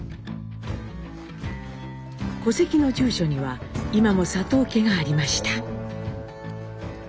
戸籍の住所には今も佐藤家がありました。